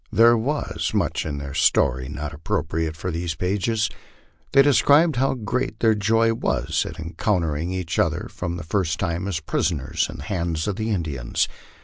There was much in their story not appropriate for these pages. They described how great their joy was at encountering each other for the first time as prisoners in the hands of the Indians.